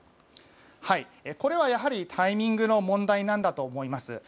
これはやはりタイミングの問題だと思います。